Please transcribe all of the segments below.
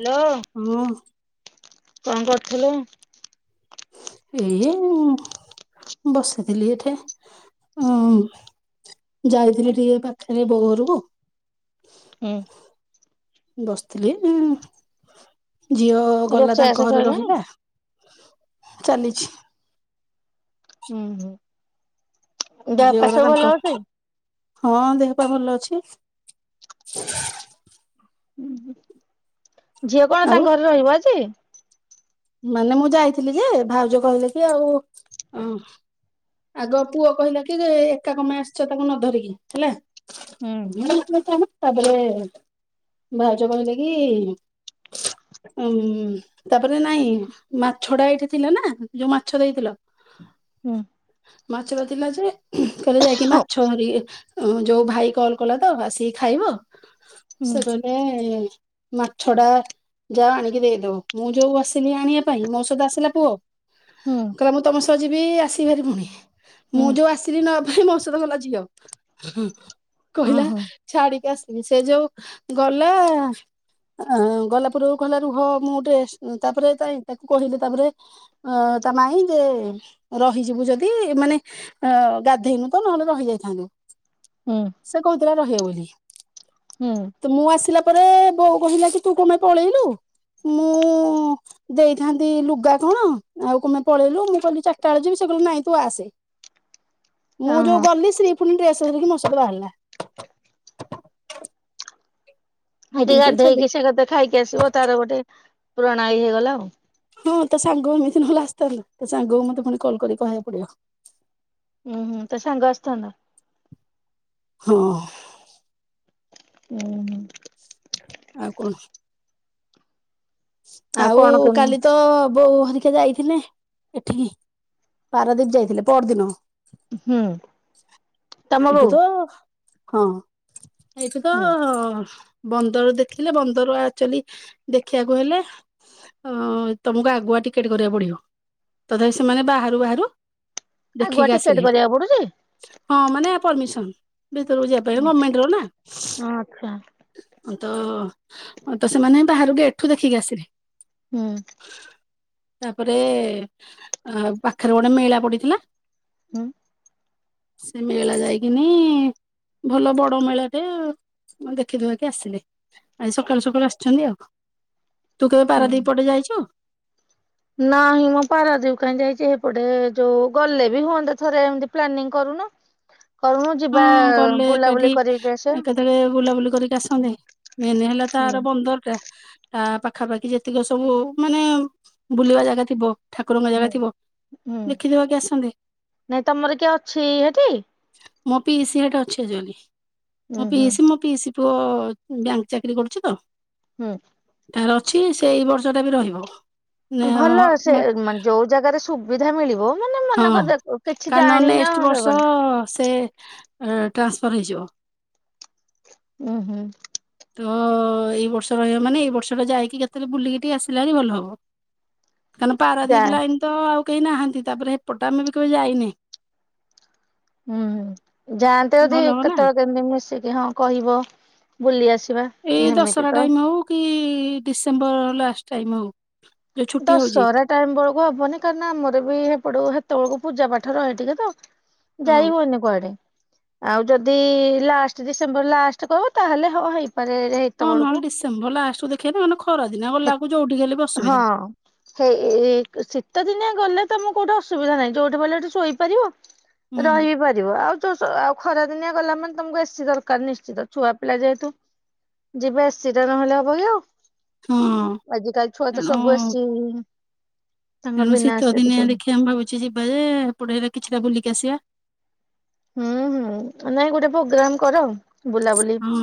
Hello. ଉଁ। କଣ କରୁଥିଲୁ? ଏଇ ଉଁ ବସିଥିଲି ଏଠି। ଉଁ ଯାଇଥିଲି ଟିକେ ଏ ପାଖରେ ବୋଉ ଘରକୁ। ହୁଁ। ବସିଥିଲି ଉଁ ଝିଅ ଗଲା ରୋଷେଇ ବାସ ତାଙ୍କ ଘରେ ସଇଲାଣି? ରହିଲା। ଚାଲିଛି। ହୁଁ ହୁଁ। ଦେହ ପା ଝିଅର ସବୁ ଭଲ ତାଙ୍କ ଅଛି? ହଁ ଦେହ ପାହା ଭଲ ଅଛି। ହୁଁ ହୁଁ ଝିଅ କଣ ଆଉ ତାଙ୍କ ଘରେ ରହିବ ଆଜି? ମାନେ ମୁଁ ଯାଇଥିଲି ଯେ ଭାଉଜ କହିଲେ କି ଆଉ ଅ ଆଗ ପୁଅ କହିଲା କି ଯେ ଏକା କଣ ପାଇଁ ଆସିଛ ତାକୁ ନ ଧରିକି ହେଲା? ଓହୋ। ତାପରେ ଭାଉଜ କହିଲେ କି [inaudible] ଉଁ ତାପରେ ନାଇଁ ମାଛ ଟା ଏଇଠି ଥିଲା ନା ଯୋଉ ମାଛ ଦେଇଥିଲ। ମାଛଟା ଥିଲା ଯେ କହିଲେ ଯାଇକି ମାଛ ଧରିକି ଯୋଉ ଭାଇ କଲ କଲା ତ ଆସିକି ଖାଇବ ସେମାନେ ମାଛଟା ଯା ଆଣିକି ଦେଇଦବୁ ମୁଁ ଯୋଉ ଆସିଲି ଆଣିବା ପାଇଁ ମୋ ସହିତ ଆସିଲା ପୁଅ। କହିଲା ମୁଁ ତମ ସହ ଯିବି ଆସିବି ହେରି ପୁଣି। ମୁଁ ଯୋଉ ଆସିଲି ନବା ପାଇଁ ମୋ ସହିତ ଗଲା ଝିଅ ହୁଁ କହିଲା ଓହୋ ଛାଡିକି ଆସିବି ସେ ଯୋଉ ଗଲା ଆ ଗଲା ପରୁ କହିଲା ରୁହ ମୁଁ ଟିକେ ତାପରେ ତାର ତାକୁ କହିଲି ତାପରେ ଅ ତା ମାଇ ଯେ ରହିଯିବୁ ଯଦି ଦି ମାନେ ଅ ଗାଧେଇନୁ ତ ନହେଲେ ରହି ଯାଇଥାନ୍ତୁ। ହୁଁ ସେ କହୁଥିଲା ରହିଵ ବୋଲି। ହୁଁ ତ ମୁଁ ଆସିଲା ପରେ ବୋଉ କହିଲା କି ତୁ କଣ ପାଇଁ ପଳେଇଲୁ? ମୁଁ [unintelligible] ଦେଇଥାନ୍ତି ଲୁଗା କଣ ଆଉ କଣ ପାଇଁ ପଳେଇଲୁ ମୁଁ କହିଲି ଚାରିଟା ବେଳ ଯିବି ସେ କହିଲା ନାଇଁ ତୁ ଆସେ। ମୁଁ ଯୋଉ ଗଲି ସିଏ ପୁଣି ଡ୍ରେସ ଧରିକି ମୋ ସହିତ ବାହାରିଲା। ହେଇଠି ଏମିତି ବି ଛାଡି ଗାଧେଇକି ଦେଇକି ସେ ଗୋଟେ ଖାଇକି ଆସିବ ତାର ଗୋଟେ ପୁରଣା ହେଇଗଲା ଆଉ ହଁ ତା ସାଙ୍ଗ ଏମିତି ନହେଲେ ଆସିଥାନ୍ତା ତା ସାଙ୍ଗକୁ ମତେ ପୁଣି କଲ କରିିକି କହିବାକୁ ପଡିବ। ହୁଁ ହୁଁ ତା ସାଙ୍ଗ ଆସିଥାନ୍ତା। ହଁ ହୁଁ। ଆଉ କଣ? ଆଉ କଣ କେମି କାଲି ତ ବୋଉ ହେରିକା ଯାଇଥିଲେ ଏଠିକି ପାରାଦୀପ ଯାଇଥିଲେ ପହରଦିନ। ହୁଁ ତମ ବୋଉ? ଏଠୁ ତ ହଁ ଏଇଠି ତ ବନ୍ଦର ଦେଖିଲେ ବନ୍ଦର ଆକଚୁଲି ଦେଖିବାକୁ କହିଲେ ଅ ତମକୁ ଆଗୁଆ ଟିକେଟ କରିବାକୁ ପଡିବ। ତଥାପି ସେମାନେ ବାହାରୁ ବାହାରୁ ଆଗୁଆ ଦେଖିକି ଟିକେଟ ଆସିଲେ କରିବାକୁ ପଡୁଛି? ହଁ ମାନେ ପରର୍ମିସନ। ଭିତରକୁ ଯିବା ପାଇଁ ଗମେଣ୍ଟ ର ନା। ଆଚ୍ଛା। ହଁ ତ ସେମାନେ ବାହାରକୁ ଏଠୁ ଦେଖିକି ଆସିଲେ। ହୁଁ। ତାପରେ ଅ ପାଖରେ ଗୋଟେ ମେଳା ପଡିଥିଲା। ହୁଁ। ସେ ମେଳା ଯାଇକିନି ଭଲ ବଡ ମେଳା ଟେ ଦେଖିଦୁଖାକି ଆସିଲି। ଆଜି ସକାଳୁ ସକାଳୁ ଆସିଛନ୍ତି ଆଉ। ତୁ କେବେ ହୁଁ। ପାରାଦ୍ୱୀପ ପଟେ ଯାଇଛୁ? ନାହିଁ ମୁଁ ପାରାଦୀପ କାହିଁ ଯାଇଛି। ହେପଟେ ଯୋଉ ଗଲେ ବି ହୁଅନ୍ତେ ଥରେ ଏମତି ପ୍ଲାନିଂ କରୁନ। କରିମୁ ହଁ ଯିବା ବୁଲାବୁଲି କରି ଆସିବା। ବେଳେ ବୁଲାବୁଲି କରିକି ଆସନ୍ତେ। ମେନ୍ ହେଲା ତାର ବନ୍ଦର ଟା। ତା ପାଖାପାଖି ଯେତିକ ସବୁ ମାନେ ବୁଲିବା ଜାଗା ଥିବ। ଠାକୁରଙ୍କ ଜାଗା ହୁଁ ଥିବ ହୁଁ ଦେଖିଦବାକି ଆସନ୍ତେ ନାଇଁ ତମର କିଏ ଅଛି ହେଠି? ମୋ ପିଇସି ଏଠି ଅଛି [unintelligible] ଉୁଁ ମୋ ହୁଁ ପିଇସି ମୋ ପିଇସି ପୁଅ ବ୍ୟାଙ୍କ ଚାକିରୀ କରୁଛି ତ। ହୁଁ। ତାର ଅଛି ସେ ଏଇ ବର୍ଷ ଟା ବି ରହିବ। ଭଲ ସେ ମାନେ ଯୋଉ ଜାଗାରେ ସୁବିଧା ମିଳିବ ମାନେ ହଁ ମନେକର ଦେଖ କିଛି ତା ନହେଲେ ଜାଣିନ ନେକ୍ସଟ ବର୍ଷ ଦବନି ସେ ଟ୍ରାନ୍ସଫର୍ ହେଇଯିବ। ଉୁଁ ହୁଁ। ହ ଏଇ ବର୍ଷ ରହିବ ମାନେ ଏଇ ବର୍ଷଟା ଯାଇକି କେତେବେଳେ ବୁଲିକି ଟିକେ ଆସିଲାଣି ଭଲ ହବ। ଯା ପାରାଦୀପ ଲାଇନ ତ ଆଉ କେହି ନାହାନ୍ତି। ତାପରେ ଏପଟେ ଆମେ ବି କେବେ ଯାଇନି। ହୁଁ ଯାଆନ୍ତେ ଯଦି ଭଲ ହବ ନା କେତେବେଳେ କେମିତି ମିଶିକି। ହଁ କହିବ ବୁଲି ଆସିବା। ଏଇ ହେମିତି ଦଶହରା ତ ଟାଇମ ହଉ କି ଡିସେମ୍ବର ଲାଷ୍ଟ ଟାଇମ ହଉ। ଯୋଉ ଛୁଟି ହଉଛି ଦଶହରା ଟାଇମ ବେଳକୁ ହବନି କାରଣ ଆମର ବି ସେପଟ ସେତେବେଳକୁ ପୂଜା ପାଠ ରହେ ଟିକେ ତ। ହଁ ଯାଇ ହୁଏନି। କୁଆଡେ ଆଉ ଯଦି ଲାଷ୍ଟ ଡିସେମ୍ବର ଲାଷ୍ଟ କହିବ ତାହେଲେ ହଁ ହେଇପାରେ ହେତ ହଁ ବେଳକୁ। ନହେଲେ ଡିସେମ୍ବର ଲାଷ୍ଟକୁ ଦେଖିବାନି। ନହେଲେ ଖରା ଦିନ ଗଲାକୁ ଯୋଉଠିକି ହେଲେ ଅସୁବିଧା। [unintelligible] ସେଇ ଶୀତ ଦିନିଆ ଗଲେ ତମକୁ କୋଉଠି ଅସୁବିଧା ନାହିଁ। ଯୋଉଠି ପାଇଲେ ସେଇଠି ଶୋଇପାରିବ। ରହି ହୁଁ ବି ପାରି ଆଉ ଯୋଉ ଆଉ ଖରା ଦିନିଆ ଗଲା ମାନେ ତମକୁ ଏସି ଦରକାର ନିଶ୍ଚିତ ଛୁଆ ପିଲା ଯେହେତୁ। ଯିବା ଏସିଟା ନହେଲେ ହବ କି ଆଉ? ହଁ ଆଜିକାଲି ଛୁଆ ତ ତେଣୁ ସବୁ ଏସି [unintelligible] ତାଙ୍କ ତେଣୁ ବିନା ଶୀତ ଏସିରେ କିଛି ଦିନିଆ ହଉନି। ଦେଖିବା ଆମେ ଭାବୁଛେ ଯିବା ଯେ ପଢେଇଲା କିଛିଟା ବୁଲିକି ଆସିବା। ହୁଁ ହୁଁ ନାଇଁ ଗୋଟେ ପ୍ରୋଗ୍ରାମ କର। ବୁଲାବୁଲି ହଁ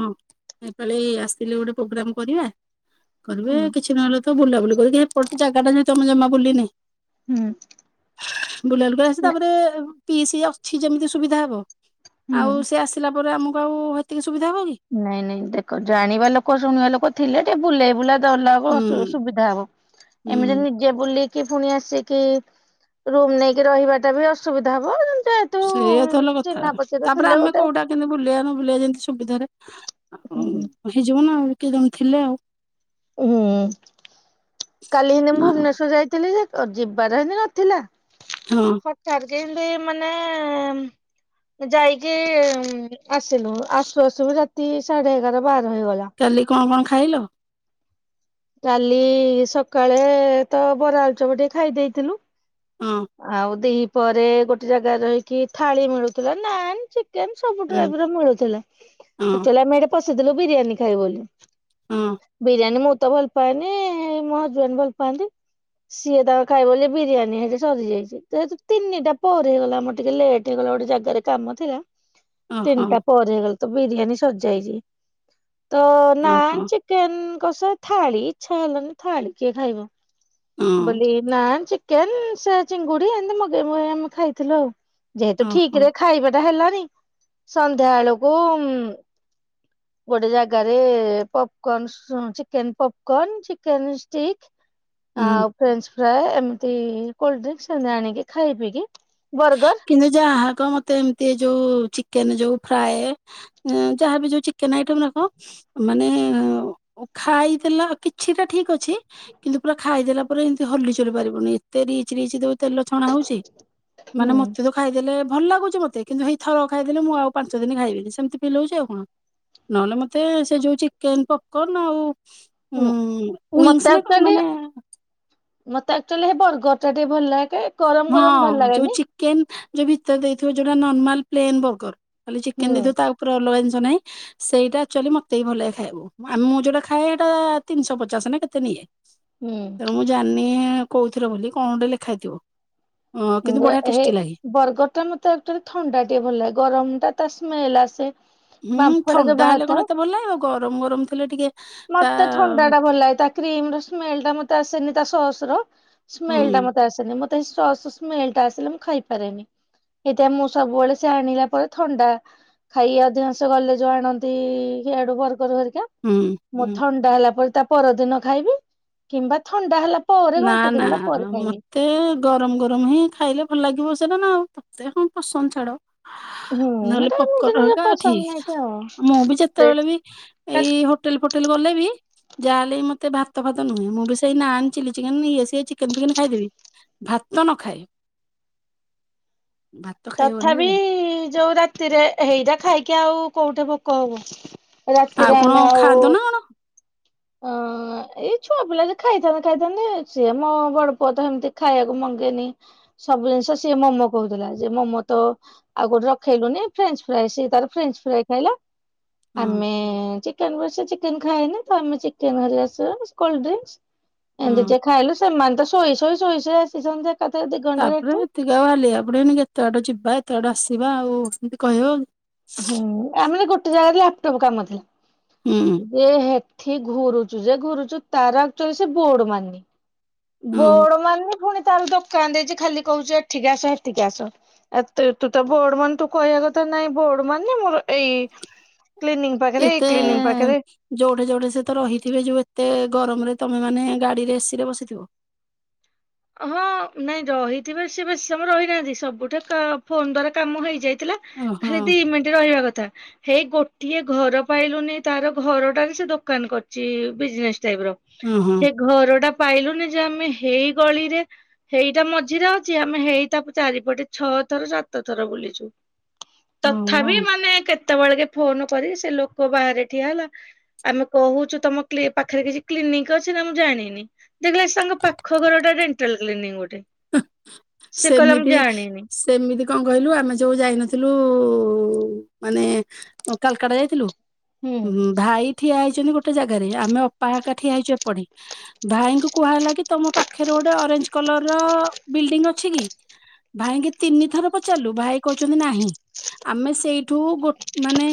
ଏପାଲି ଆସିଥିଲେ ଗୋଟେ ପ୍ରୋଗ୍ରାମ କରିବା। କରିବେ ହୁଁ କିଛି ନହେଲେ ତ ବୁଲାବୁଲି କରିକି ସେ ପଟ ଜାଗା ଯ ତମ ଜମା ବୁଲିନି। ହୁଁ। ବୁଲା ଲୋକ ଆସିଛି ତାପରେ ପିଇସି ଅଛି ଯେମିତି ସୁବିଧା ହବ। ହୁଁ। ଆଉ ସେ ଆସିଲା ପରେ ଆମକୁ ଆଉ ହେତିକି ସୁବିଧା ହବ କି? ନାଇଁ ନାଇଁ ଦେଖ ଜାଣିବା ଲୋକ ଶୁଣିବା ଲୋକ ଥିଲେ ଟିକେ ବୁଲେଇ ବୁଲା ଧରିଲାକୁ ଅସୁ ହୁଁ ସୁବିଧା ହବ। ଏମିତି ହୁଁ ନି ଯିଏ ବୁଲିକି ପୁଣି ଆସିକି ରୁମ ନେଇକି ରହିବା ଟା ବି ଅସୁବିଧା ହବ। ଯେ ସେଇଆ ତ ହେଲା କଥା ତାପରେ ଆମେ ଗୋଟେ କୋଉଟା କେମତି ବୁଲିଆ ନ ବୁଲିଆ ଯେମିତି ସୁବିଧାରେ ଆଉ ହେଇଯିବ ନା ଆଉ କେ ଜଣେ ଥିଲେ ଆଉ। ହୁଁ କାଲି ହିଁ ନେ ମୁଁ ଆଉ ଭୁବନେଶ୍ୱର ଯାଇଥିଲି ଯେ ତ ଯିବାର ହିଁ ନଥିଲା। ହଁ। ଆଉ ଚାରି ଦିନ ମାନେ ଯାଇକି ଆସିଲୁ ଆସୁ ଆସୁ ବି ରାତି ସାଢେ ଏଗାର ବାର ହେଇଗଲା। କାଲି କଣ କଣ ଖାଇଲ? କାଲି ସକାଳେ ତ ବରା ଆଳୁଚପ ଟିକେ ଖାଇ ଦେଇଥିଲୁ। ହଁ। ଆଉ ଦିି ପହରେ ଗୋଟେ ଜାଗାରେ ରହିକି ଥାଳି ମିଳୁଥିଲା ନାନ ଚି ଟିଏମ ସବୁ ହୁଁ ଟାଇପର ମିଳୁଥିଲା, ହଁ ତାହାଲେ ଆମେ ଏଠି ପଶିଥିଲୁ ବିରିୟାନୀ ଖାଇବୁ ବୋଲି। ହୁଁ ବିରିୟାନୀ ମୁଁ ତ ଭଲ ପାଏନି ମୋ ହଜବେଣ୍ଡ ଭଲ ପାଆନ୍ତି। ସିଏ ତାଙ୍କ ଖାଇବ ବୋଲି ବିରିୟାନୀ ହେଲେ ସରିଯାଇଛି ଯେହେତୁ ତିନିଟା ପରେ ହେଇଗଲା ଆମର ଟିକେ ଲେଟ୍ ହେଇଗଲା ଗୋଟେ ଜାଗାରେ ତ କାମ ଥିଲା। ଓହୋ ତିନିଟା ପରେ ହେଇଗଲା ତ ବିରିୟାନୀ ସରିଯାଇଛି, ତ ଓହୋ ନାନ ଚିକ୍ କେନ୍ କସା ଥାଳି ଇଚ୍ଛା ହେଲାଣିି ଥାଳି କିଏ ଖାଇବ। ହଁ ବୋଲି ନାନ, ଚିକେନ ସେ ଚିଙ୍ଗୁଡି ଏମିତି ମଗେଇ ମଗେଇ ଆମେ ଖାଇଥିଲୁ ଆଉ। ଯେହେତୁ ଓହୋ। ଠିକରେ ଖାଇବାଟା ହେଲାନି ସନ୍ଧ୍ୟା ବେଳକୁ ଉଁ ଗୋଟେ ଜାଗାରେ popcorns chicken popcorn, chicken stick ହୁଁ ଆଉ ଫ୍ରେଞ୍ଚ ଫ୍ରାଏ ଏମିତି କୋଲଡଡ୍ରିଙ୍ଗସ ସେମିତି ଆଣିକି ଖାଇ ପିଇକି ବର୍ଗର କିନ୍ତୁ ଯହାକହ ମତେ ଏମିତି ଏଇ ଯୋଉ ଚିକେନ ଯୋଉ ଫ୍ରାଏ ଯାହାବି ଯୋଉ ଚିକେନ ଆଇଟମ ଗୁରକ ମାନେ ଖାଇଦେଲା କିଛିଟା ଠିକ ଅଛି କିନ୍ତୁ ପୁରା ଖାଇଦେଲା ପରେ ଏମିତି ହଲି ଚୁଲି ପାରିବୁନି ଏତେ ରିଚ ରିଚ ଦେବେ ତେଲ ଛଣା ହଉଛି। ମାନେ ମତେ ତ ହୁଁ କ ଖାଇଦେଲେ ଭଲ ଲାଗୁଛି ମୋତେ କିନ୍ତୁ ହେଇଥରକ ଖାଇଦେଲେ ମୁଁ ଆଉ ପାଞ୍ଚ ଦିନ ଖାଇବିନି ସେମିତି ଫିଲହଉଛି ଆଉ କଣ। ନହେଲେ ମତେ ସେ ଯୋଉ ଚିକେନ ପପକନ ଆଉ ହୁଁ ମତେ ୱିଂସ୍ ନା କଣ ଆକ୍ଚୁଆଲି ମାନେ ମତେ ଆକ୍ଟୁଆଲି ସେ ବର୍ଗର ଟା ଟିକେ ଭଲ ଲାଗେ ଗରମ ଗରମ ଭଲ ଲାଗେନି। କେନ ଯୋଉ ଭିତରେ ଦେଇଥିବ ଯୋଉଟା ନର୍ମାଲ ପ୍ଲେନ ବର୍ଗର। ଖାଲି ଚିକେନ ହୁଁ ଦେଇଥିବ ତା ଉପରେ ଅଲଗା ଜିନିଷ ନାଇଁ ସେଇଟା ଆକ୍ଚୁଆଲି ମତେ ବି ଭଲ ଲାଗେ ଖାଇବାକୁ ଆମ ମୁଁ ଯୋଉଟା ଖାଏ ସେଇଟା ତିନିଶହ ପଚାଶ ନା କେତେ ନିଏ। ତେଣୁ ମୁଁ ଜାଣିନି କହୁଥିରେ ବୋଲି କଣ ଗୋଟେ ଲେଖା ହେଇଥିବ। ଅ କିନ୍ତୁ ବଢିଆ ହେ ଟେଷ୍ଟି ଲାଗେ। ବରର୍ଗରଟା ମତେ ଆକଚୁଆଲି ଥଣ୍ଡା ଟିକେ ଭଲ ଲାଗେ ଗରମ ଟା ତ ସ୍ମେଲ ଆସେ। ହୁଁ ବାମ୍ଫ ଟା ଯୋଉ ଥଣ୍ଡା ହେଲେ ବାହାରିଥାଏ କଣ ଏତେ ଭଲ ଲାଗିବ ଗରମ ଗରମ ଥିଲେ ଟିକେ ତା ମତେ ଥଣ୍ଡା ଟା ଭଲ ଲାଗେ ତା କ୍ରିମ ର ସ୍ମେଲ ଟା ମତେ ଆସେନି ତା ସସର ହୁଁ ସ୍ମେଲ ଟା ମତେ ଆସେନି ମତେ ସସ୍ ଶ୍ମେଲ ଟା ଆସିଲେ ମୁଁ ଖାଇପାରେନି, ଏଥି ମୁଁ ସବୁବେଳେ ସେ ଆଣିଲା ପରେ ଥଣ୍ଡା ଖାଇବା ଅଧିକାଂଶ ଗଲେ ଯୋଉ ଆଣନ୍ତି ସିଆଡୁ ବର୍ଗର ଘରିକା। ହୁଁ ମୁଁ ହୁଁ। ଥଣ୍ଡା ହେଲା ପରେ ତା ପରଦିନ ଖାଇବି କିମ୍ବା ଥଣ୍ଡା ହେଲା ପ ପରେ ଘଣ୍ଟା ଦି ଘଣ୍ଟା ପରେ ଖାଇବି। ମୋତେ ଗରମ ଗରମ ହିଁ ଖାଇଲେ ଭଲ ଲାଗିବ ସେଇଟା ନା ଆଉ ତତେ କଣ ପସନ୍ଦ ଛାଡ଼। [unintelligible] ନହେଲେ ଏଟା ପପକର୍ଣ ନିଜ ନିଜ ଘରିକା ପସନ୍ଦ ନେଇକି ଆଉ ଠିକ ମୁଁ ବି ଯେତେବେଳେ ବି ଏଇ ହୋ ହୋଟେଲ୍ ଫୋଟେଲ ଗଲେ ବି ଯାହା ହେଲେ ମତେ ଭାତ ଫାତ ନୁହେଁ ମୁଁ ବି ସେଇ ନାନ ଚିଲ୍ଲି ଚିକେନ ନେଇ ଆସିବେ ଚିକେନ ଫିକେନ ଖାଇଦେବି ଭାତ ନ ଖାଏ। ଭାତ ଖାଇବନି ରେ ତଥାପି ଭାଇ ଯୋଉ ରାତିରେ ହେଇରା ଖାଇକି ଆଉ କୋଉଠି ଭୋକ ହବ। ଆଉ ରାତିରେ କଣ ଆମେ ଆଉ ଖାଆନ୍ତ ନା କଣ ହଁ। ଏଇ ଛୁଆ ପିଲା ଯେ ଖାଇଥାନ୍ତେ ଖାଇଥାନ୍ତେ ସିଏ ମୋ ବଡ ପୁଅ ତ ଏମିତି ଖାଇବାକୁ ମଙ୍ଗେନି ସବୁ ଜିନିଷ ସିଏ ମୋମୋ କହୁଥିଲା ଯେ ମୋମୋ ତ ଆଉ କୋଉଠି ରଖେଇଲୁନି ଫ୍ରେଞ୍ଚ୍ ଫ୍ରାଏ ସେ ତାର ଫ୍ରେଞ୍ଚ୍ ଫ୍ରାଏ ଖାଇଲା ହଁ ଆମେ ଚିକେନ ବେଶି ଚିକେନ ଖାଏନି ତ ଆମେ ଚିକେନ ହେରିକା ସବୁ କୋଲଡିଙ୍ଗିସ୍ ଏମିତି ହଁ। ଯେ ଖାଇଲୁ ସେମାନେ ତ ଶୋଇ ଶୋଇ ଶୋଇ ଆସିଛନ୍ତି ଏକାଥରେ ଦି ଘଣ୍ଟାରେ ଏଠି ଟିକେ ଆଉ ହାଲିଆ ହେଇ ପଡିବନି କେତେ ବାଟ ଯିବା ଏତେ ବାଟ ଆସିବା ଆଉ ଏମିତି କହିବ ଆଉ ହୁଁ ଆମର ଗୋଟେ ଜାଗାରେ ଲାପଟପ୍ କାମ ଥିଲା ହୁଁ। ଯେ ହେଠି ଘୁରୁଛୁ ଯେ ଘୁରୁଛୁ ତାର ଆକଚୁଲି ସେ ବୋର୍ଡ ମାରିନି ହଁ। ବୋର୍ଡ ମାରିନି ପୁଣି ତାହାଲେ ଦୋକାନ ଦେଇଛି ଖାଲି କହୁଛି ଏଠିକି ଆସ ସେଠିକି ଆସ। ଏ ତୁ ତୁ ତ ବୋର୍ଡ ମାରିନି ତୁ କହିବା କଥା ନାଇଁ ମୁଁ ବୋର୍ଡ ମାରିନି ମୋର ଏଇ କ୍ଲିନିକ୍ ପାଖରେ ଏଇ ଏତେ କ୍ଲିନିକ୍ ପାଖରେ ଯୋଉଠେ ଯୋଉଠେ ସେତ ରହିଥିବେ ଯୋଉ ଏତେ ଗରମରେ ତମେ ମାନେ ଗାଡିରେ ଏସିି ରେ ବସିଥିବ ହଁ ନାଇଁ ରହିଥିବେ ସେ ବେଶୀ ସମୟ ରହି ନାହାଁନ୍ତି ସବୁଠେ ଫୋନ୍ ଦ୍ଵାରା କାମ ହେଇଯାଇଥିଲା ଓହୋ। ଦି ମିନିଟ୍ ରହିବା କଥା ହେଇ ଗୋଟିଏ ଘର ପାଇଲୁନି ତାର ଘରଟାରେ ସେ ଦୋକାନ କରିଛି ବିଜନେସ୍ ଟାଇପ୍ ର ହଁ ହଁ। ସେ ଘର ଟା ପାଇଲୁନି ଯେ ଆମେ ହେଇ ଗଳିରେ ହେଇଟା ମଝିରେ ଅଛି ଆମେ ହେଇଟା ତାକୁ ଚାରିପଟେ ଛଅ ଥର ସାତ ଥର ବୁଲିଛୁ ତଥାପି ଓହୋ ମାନେ କେତେବେଳେ କେ ଫୋନ୍ କରି ସେ ଲୋକ ବାହାରେ ଠିଆ ହେଲା ଆମେ କହୁଛୁ ତମ [inaudible] ପାଖରେ କିଛି କ୍ଲିନିକ୍ ଅଛି ନା ମୁଁ ଜାଣିନି ଦେଖିଲା ତାଙ୍କ ପାଖ ଘରଟା ଗୋଟେ ଡେଣ୍ଟାଲ କ୍ଲିନିକ ଗୋଟେ ସେ କହିଲା ମୁଁ ସେମିତି ଜାଣିନି। ସେମିତି କଣ କହିଲୁ ଆମେ ଯୋଉ ଯାଇନଥିଲୁ ମାନେ ଆ କାଲ୍କାଡା ଯାଇଥିଲୁ ହୁ। ହୁଁ ଭାଇ ଠିଆ ହେଇଛନ୍ତି ଗୋଟେ ଜାଗାରେ ଆମେ ଅପାହାକା ଠିଆ ହେଇଛୁ ଏପଟେ ଭାଇଙ୍କୁ କୁହା ହେଲା କି ତମ ପାଖରେ ଗୋଟେ ଅରେଞ୍ଜ କଲର ର ବିଲ୍ଡିଂ ଅଛି ଅଛି କି ଭାଇଙ୍କି ତିନି ଥର ପଚାରିଲୁ ଭାଇ କହୁଛନ୍ତି ନାହିଁ ଆମେ ସେଇଠୁ ଗୋ ମାନେ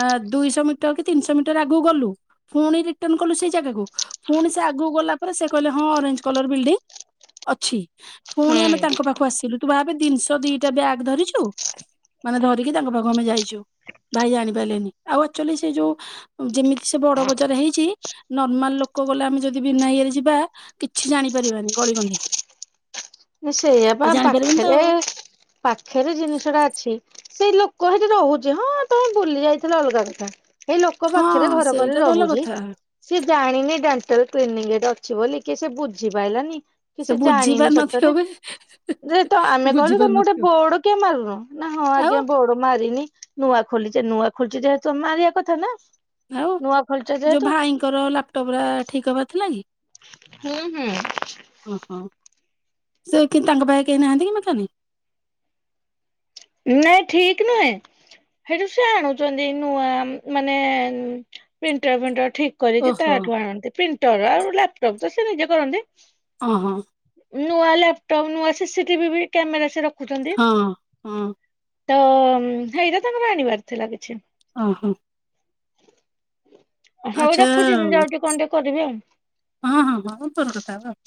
ଅ ଦୁଇଶହ ମିଟର କି ତିନିଶହ ମିଟର ଆଗକୁ ଗଲୁ ପୁଣି ରିଟର୍ଣ କଲୁ ସେଇ ଜାଗାକୁ ପୁଣି ସେ ଆଗକୁ ଗଲା ପରେ ସେ କହିଲେ ହଁ ଅରେଞ୍ଜ କଲର ବିଲ୍ଡିଂ ଅଛି ଫୁଣି ଆମେ ତାଙ୍କ ପାଖକୁ ଆସି ତୁ ଭାବେ ଜିନିଷ ଦିଟା ବ୍ୟାଗ୍ ଧରିଛୁ ମାନେ ଧରିକି ତାଙ୍କ ପାଖକୁ ଆମେ ଯାଇଛୁ। ଭାଇ ଜାଣି ପାରିଲେନି ଆଉ ଆଚୁଅଲି ସେ ଯୋଉ ଯେମିତି ସେ ବଡ ବଜାର ହେଇଛି ନର୍ମାଲ ଲୋକ ଗଲେ ଆମେ ଯଦି ବିନା ଇଏରେ ଯିବା କିଛି ଜାଣିପାରିବାନି ଗଳି କନ୍ଧି ସେଇଆପା ଜାଣିପାରିବନି ତ ପାଖରେ ପାଖରେ ଜିନିଷ ଟା ଅଛି ସେଇ ଲୋକ ସେଇଠି ରହୁଛି ହଁ ତମେ ବୁଲି ଯାଇଥିଲ ଅଲଗା କଥା ଏଇ ଲୋକ ହଁ ପାଖରେ ଘର କରି ସେଇଟା ଭଲ ରହୁଛି କଥା। ସିଏ ଜାଣିନି ଡେଣ୍ଟାଲ କ୍ଲିନିକ ସେଇଠି ଅଛି ବୋଲି କି ସେ ବୁଝିପାରଲାନି କି ସେ ବୁଝି ଜାଣିନି ସତରେ ପାରୁନଥିବ ବେ ଯେ ଆମେ ବୁଝି କହିଲୁ ତମେ ଗୋଟେ ପାରୁନଥିବ ବୋର୍ଡ କିଆଁ ମାରୁନୁ ନା ହଁ ଆଉ ଆଜ୍ଞା ବୋର୍ଡ ମାରିନି ନୂଆ ଖୋଲିଛି ନୂଆ ଖୋଲିଛି ଯେହେତୁ ମାରିବା କଥା ନା ଆଉ ନୂଆ ଖୋଲିଛେ ଯୋଉ ଯେହେତୁ। ଭାଇଙ୍କର ଲାପଟପ୍ ଟା ଠିକ୍ ହବାର ଥିଲା କି? ହୁଁ ହୁଁ। ହଁ ହଁ ସେକି ତାଙ୍କ ପାଖେ କେହି ନାହାଁନ୍ତି କି ମେକାନିକ୍। ନାଇଁ ଠିକ ନୁହେଁ। ହେଠୁ ସେ ଆଣୁଛନ୍ତି ନୂଆ ମାନେ ପ୍ରିଣ୍ଟର ଫିଣ୍ଟର ଠିକ। କରିକି ଓହୋ ତାଠୁ ଆଣନ୍ତି ପ୍ରିଣ୍ଟର ଆଉ ଲାପଟପ ତ ସେ ନିଜେ କରନ୍ତି। ହଁ ହଁ। ନୂଆ ଲାପଟପ୍ ନୂଆ ସିସି ଟିଭି ବି କ୍ୟାମେରା ସେ ରଖୁଛନ୍ତି। ହଁ ହଁ। ତ ହେଇରା ତାଙ୍କର ଆଣିବାର ଥିଲା କିଛି। ଓହୋ। ହଉ ଆଚ୍ଛା ରଖୁଛି ମୁଁ ଯାଉଛି କଣ ଟିକେ କରିବି ଆଉ। ହଁ ହଁ ହଁ [inaudible] କଥା ହବା ଆଉ।